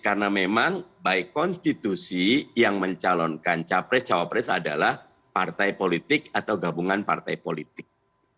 karena memang baik konstitusi yang mencalonkan capres capres adalah partai politik atau gabungan partai politik